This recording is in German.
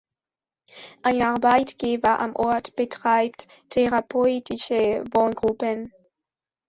Ein Arbeitgeber am Ort betreibt therapeutische Wohngruppen.